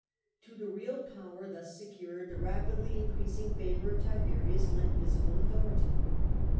To the real power thus secured, the rapidly increasing favour of Tiberius lent visible autho rity.